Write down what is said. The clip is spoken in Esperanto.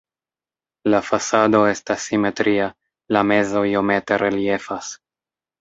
La fasado estas simetria, la mezo iomete reliefas.